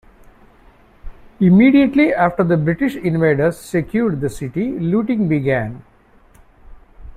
Immediately after the British invaders secured the city, looting began.